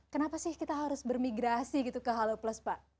kenapa sih kita harus bermigrasi gitu ke halo plus pak